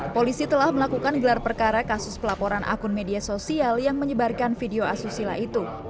polisi telah melakukan gelar perkara kasus pelaporan akun media sosial yang menyebarkan video asusila itu